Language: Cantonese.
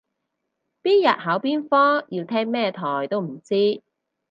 邊日考邊科要聽咩台都唔知